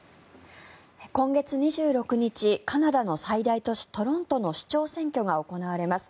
今月２６日カナダの最大都市トロントの市長選挙が行われます。